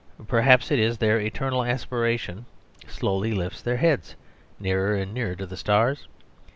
Perhaps it is that their eternal aspiration slowly lifts their heads nearer and nearer to the stars.